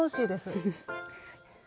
フフフッ。